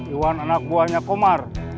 iwan anak buahnya komar